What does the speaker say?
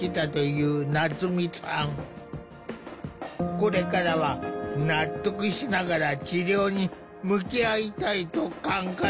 これからは納得しながら治療に向き合いたいと考えている。